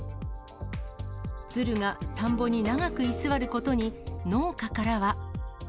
ツルが田んぼに長く居座ることに、農家からは。